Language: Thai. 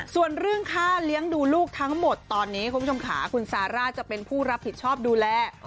ส่วนเรื่องค่าเลี้ยงดูลูกทั้งหมดตอนนี้คุณผู้ชมค่ะคุณซาร่าจะเป็นผู้รับผิดชอบดูแล